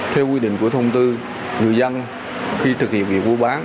theo quy định của thông tư người dân khi thực hiện việc mua bán